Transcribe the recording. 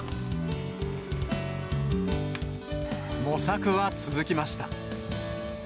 模索は続きました。